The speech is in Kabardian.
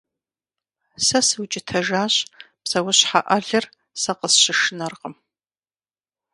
Сэ сыукӀытэжащ: псэущхьэ Ӏэлыр сэ къысщышынэркъым.